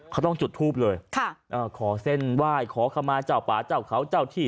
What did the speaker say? เขาต้องจุดทูปเลยขอเส้นไหว้ขอเข้ามาเจ้าป่าเจ้าเขาเจ้าที่